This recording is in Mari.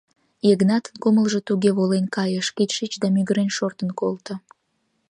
Йыгнатын кумылжо туге волен кайыш, кеч шич да мӱгырен шортын колто.